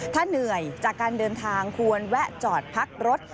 ถ้าเหนื่อยจากการเดินทางควรแวะจอดพักรถ